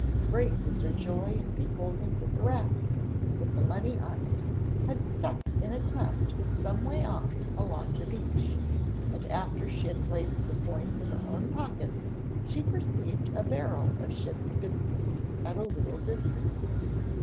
Great was her joy at beholding that the raft, with the money on it, had stuck in a cleft some way off along the beach, and after she had placed the coins in her own pockets she perceived a barrel of ship's biscuits at a little distance.